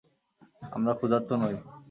আমরা ক্ষুধার্ত নই।